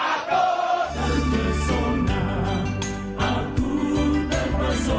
aku terpesona aku terpesona